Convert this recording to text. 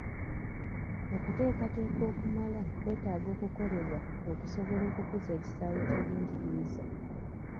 Okuteekateeka okumala kwetaaga okukolebwa okusobola okukuza ekisaawe ky'ebyenjigiriza.